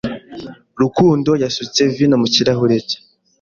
Rukundo yasutse vino mu kirahure cye.